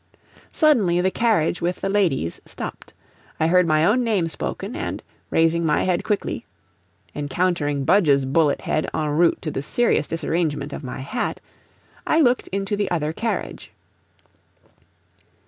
Suddenly the carriage with the ladies stopped. I heard my own name spoken, and raising my head quickly (encountering Budge's bullet head EN ROUTE to the serious disarrangement of my hat), I looked into the other carriage.